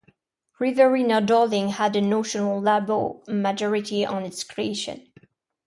Riverina-Darling had a notional Labor majority on its creation.